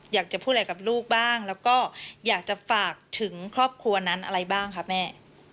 อยากจะพูดอะไรกับลูกบ้างแล้วก็อยากจะฝากถึงครอบครัวนั้นอะไรบ้างคะแม่